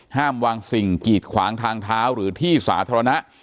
ห้ามวางสิ่งกีดขวางทางเท้าหรือที่สาธารณะ